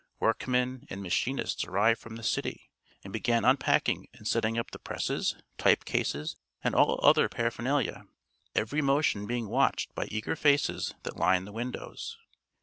Workmen and machinists arrived from the city and began unpacking and setting up the presses, type cases and all other paraphernalia, every motion being watched by eager faces that lined the windows.